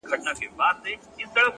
د کلي مسجد غږ د وخت اندازه بدلوي!.